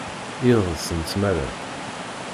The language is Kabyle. Iḍes n tmara.